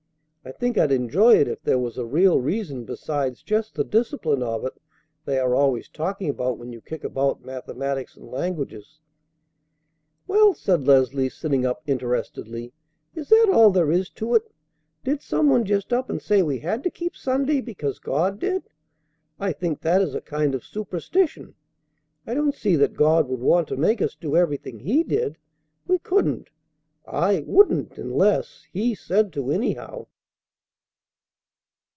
I think I'd enjoy it if there was a real reason besides just the discipline of it they are always talking about when you kick about mathematics and languages." "Well," said Leslie, sitting up interestedly, "is that all there is to it? Did some one just up and say we had to keep Sunday because God did? I think that is a kind of superstition. I don't see that God would want to make us do everything He did. We couldn't. I wouldn't unless He said to, anyhow."